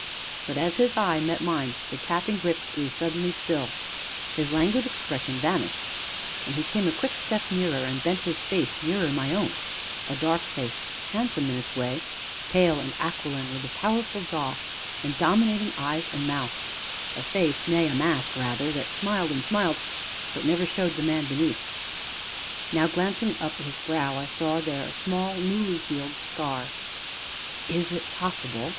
But, as his eye met mine, the tapping whip grew suddenly still; his languid expression vanished, he came a quick step nearer and bent his face nearer my own a dark face, handsome in its way, pale and aquiline, with a powerful jaw, and dominating eyes and mouth; a face (nay, a mask rather) that smiled and smiled, but never showed the man beneath. Now, glancing up at his brow, I saw there a small, newly healed scar. "Is it possible?"